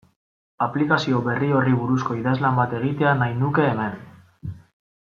Aplikazio berri horri buruzko idazlan bat egitea nahi nuke hemen.